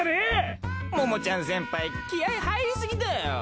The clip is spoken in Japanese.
桃ちゃん先輩気合い入りすぎだよ。